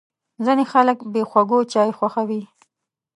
ځینې خلک بې خوږو چای خوښوي.